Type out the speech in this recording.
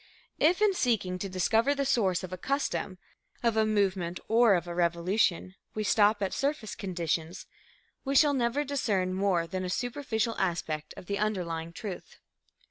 If, in seeking to discover the source of a custom, of a movement or of a revolution, we stop at surface conditions, we shall never discern more than a superficial aspect of the underlying truth.